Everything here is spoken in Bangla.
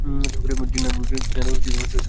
ডিনারের সময় হয়েছে!